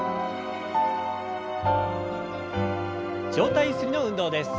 上体ゆすりの運動です。